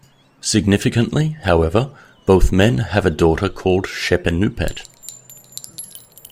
Significantly, however, both men have a daughter called Shepenupet.